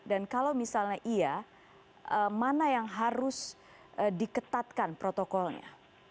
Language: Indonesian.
dan kalau misalnya iya mana yang harus diketatkan protokolnya